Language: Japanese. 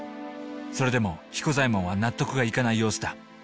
それでも彦左衛門は納得がいかない様子だ。